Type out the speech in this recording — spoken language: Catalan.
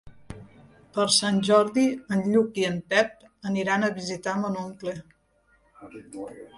Per Sant Jordi en Lluc i en Pep aniran a visitar mon oncle.